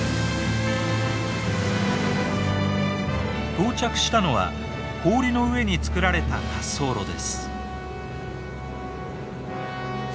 到着したのは氷の上に作られた滑走路です。